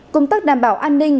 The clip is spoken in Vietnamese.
công tác đảm bảo an ninh